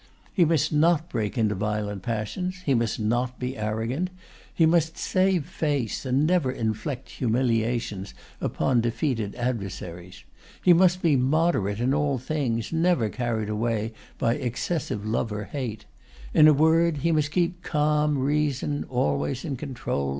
He must not break into violent passions; he must not be arrogant; he must "save face," and never inflict humiliations upon defeated adversaries; he must be moderate in all things, never carried away by excessive love or hate; in a word, he must keep calm reason always in control of all his actions.